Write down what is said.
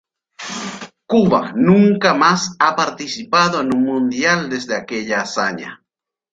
Cuba nunca más ha participado en un Mundial desde aquella hazaña.